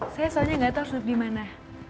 saya soalnya gak tau duduk dimana